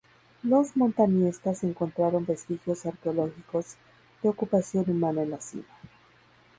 Los montañistas encontraron vestigios arqueológicos de ocupación humana en la cima.